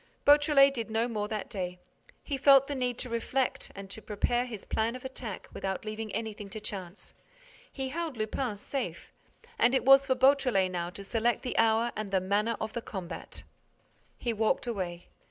Beautrelet did no more that day. He felt the need to reflect and to prepare his plan of attack without leaving anything to chance. He held Lupin safe; and it was for Beautrelet now to select the hour and the manner of the combat. He walked away.